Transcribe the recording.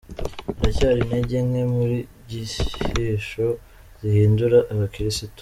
Haracyari intege nke mu nyigisho zihindura abakirisitu.